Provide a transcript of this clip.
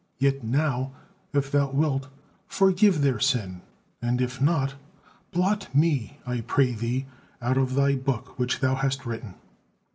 'Yet now, if Thou wilt, forgive their sin; and if not, blot me, I pray Thee, out of Thy book which Thou has written.'"